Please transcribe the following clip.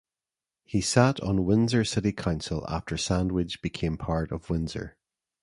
He sat on Windsor city council after Sandwich became part of Windsor.